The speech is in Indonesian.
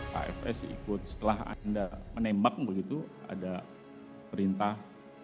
pak fs ikut setelah anda menembak begitu ada perintah